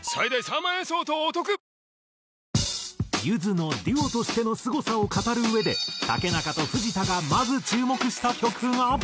ゆずのデュオとしてのすごさを語るうえで竹中と藤田がまず注目した曲が。